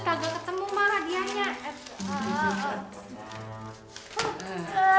kagal ketemu marah dianya